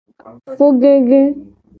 Fugege.